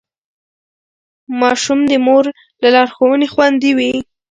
ماشوم د مور له لارښوونې خوندي وي.